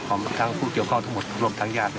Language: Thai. ทั้งผู้เกี่ยวข้องทั้งหมดรวมทั้งญาติ